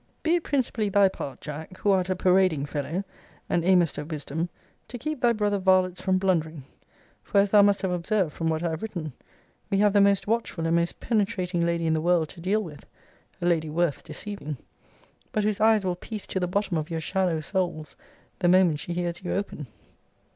Be it principally thy part, Jack, who art a parading fellow, and aimest at wisdom, to keep thy brother varlets from blundering; for, as thou must have observed from what I have written, we have the most watchful and most penetrating lady in the world to deal with; a lady worth deceiving! but whose eyes will piece to the bottom of your shallow souls the moment she hears you open.